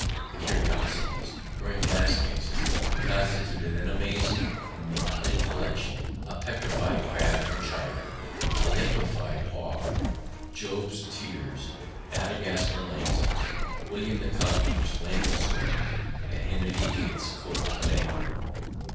The curiosities were in glass cases and constituted an amazing and motley collection a petrified crab from China, a 'lignified hog,' Job's tears, Madagascar lances, William the Conqueror's flaming sword, and Henry the Eighth's coat of mail."